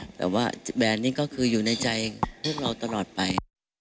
แต่ว่าแบรนด์นี้ก็คืออยู่ในใจพวกเราตลอดไป